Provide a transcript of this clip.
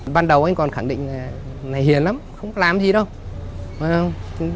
ban đầu anh còn khẳng định này hiền lắm không làm gì đâu